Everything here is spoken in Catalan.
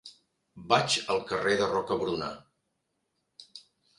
Vaig al carrer de Rocabruna.